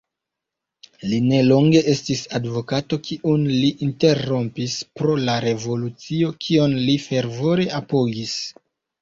Li nelonge estis advokato, kiun li interrompis pro la revolucio, kion li fervore apogis.